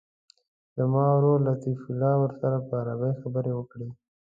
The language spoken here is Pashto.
زما ورور لطیف الله ورسره په عربي خبرې وکړي.